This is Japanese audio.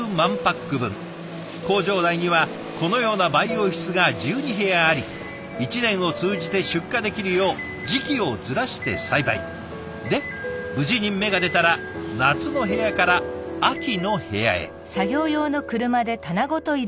工場内にはこのような培養室が１２部屋あり一年を通じて出荷できるよう時期をずらして栽培。で無事に芽が出たら夏の部屋から秋の部屋へ。